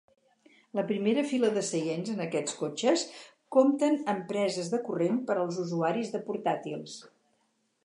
La primera fila de seients en aquests cotxes compten amb preses de corrent per als usuaris de portàtils.